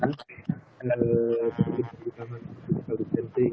mungkin juga mungkin juga lucentri